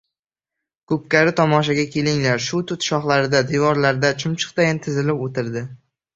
Ko‘pkari tomoshaga kelganlar shu tut shoxlarida, devorlarda chumchuqdayin tizilib o‘tirdi.